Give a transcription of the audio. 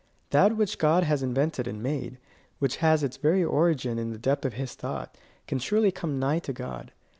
That which God has invented and made, which has its very origin in the depth of his thought, can surely come nigh to God.